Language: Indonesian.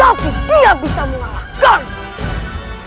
tapi dia bisa mengalahkanku